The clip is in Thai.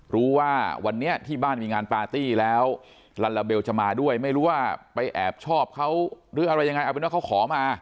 รู้ว่าวันนี้ที่บ้านมีงานปาร์ตี้แล้วลัลลาเบลจะมาด้วยไม่รู้ว่าไปแอบชอบเขาหรืออะไรยังไงเอาเป็นว่าเขาขอมา